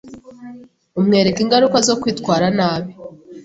Umwereka ingaruka zo kwitwara nabi